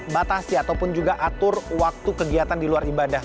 batasi atau atur waktu kegiatan di luar ibadah